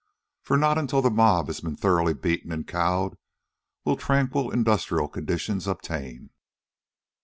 "For not until the mob has been thoroughly beaten and cowed will tranquil industrial conditions obtain."